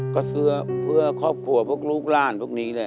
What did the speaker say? ก็เสื้อเพื่อครอบครัวพวกลูกหลานพวกนี้เลย